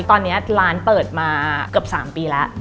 ตอนนี้ร้านเปิดมาเกือบ๓ปีแล้ว